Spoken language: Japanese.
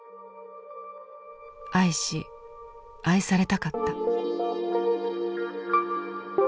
「愛し愛されたかった」。